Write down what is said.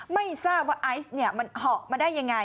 ไม่ทราบว่าไอซ์มันเหาะมาได้ยังไง